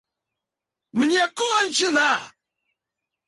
Мне — кончено!